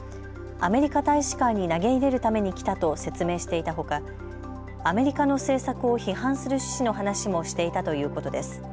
アメリカ大使館に投げ入れるために来たと説明していたほか、アメリカの政策を批判する趣旨の話もしていたということです。